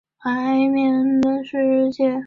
该部份与十月初五日街平行。